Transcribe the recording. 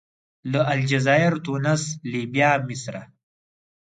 له الجزایر، تونس، لیبیا، مصره.